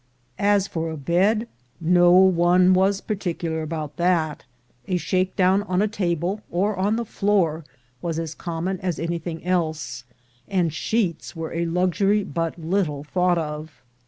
As for a bed, no one was particular about that; a shake down on a table, or on the floor, was as common as anything else, and sheets were a luxury but little thought of.